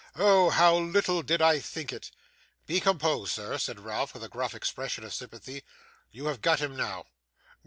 Oh, how little did I think it!' 'Be composed, sir,' said Ralph, with a gruff expression of sympathy, 'you have got him now.